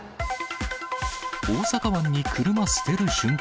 大阪湾に車捨てる瞬間。